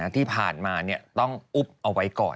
ที่ผ่านมาต้องอุ๊บเอาไว้ก่อน